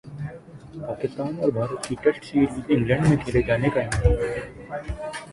پاکستان اور بھارت کی test series England میں کھیلے جانے کا امکان